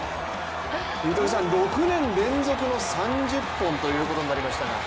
６年連続の３０本ということになりましたが。